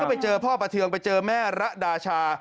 ไปเจอพ่อประเทืองไปเจอแม่ระดาชา